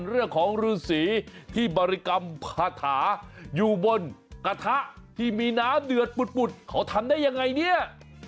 เรื่องของฤษีที่บริกรรมคาถาอยู่บนกระทะที่มีน้ำเดือดปุดเขาทำได้ยังไงเนี่ย